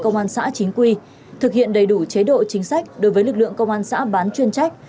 công an xã chính quy thực hiện đầy đủ chế độ chính sách đối với lực lượng công an xã bán chuyên trách